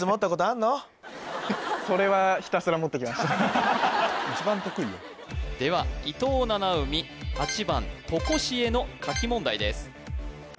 それはでは伊藤七海８番とこしえの書き問題です